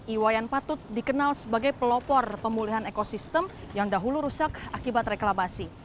iwayan patut dikenal sebagai pelopor pemulihan ekosistem yang dahulu rusak akibat reklamasi